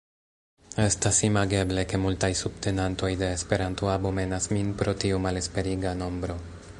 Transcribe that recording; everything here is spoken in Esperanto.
Estas imageble, ke multaj subtenantoj de Esperanto abomenas min pro tiu malesperiga nombro.